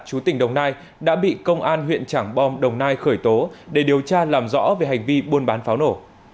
chú tỉnh đồng nai đã bị công an huyện trảng bom đồng nai khởi tố để điều tra làm rõ về hành vi buôn bán pháo nổ